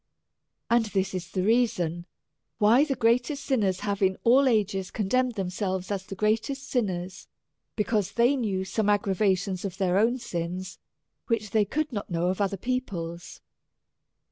And this is the reason why the greatest saints have in all ages condemned themselves as the greatest sin ners, because they knew some aggravations of their own sins, which they could not know of other peo ple's.